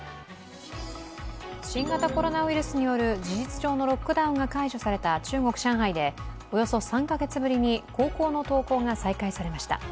新型コロナウイルスによる事実上のロックダウンが解除された中国・上海でおよそ３カ月ぶりに高校の登校が再開されました。